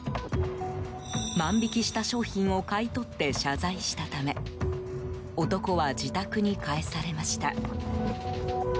万引きした商品を買い取って謝罪したため男は自宅に帰されました。